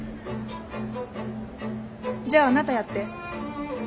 じゃああなたやって応援演説。